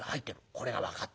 これが分かったよ。